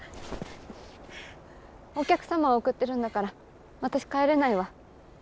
お客様を送ってるんだから私帰れないわ。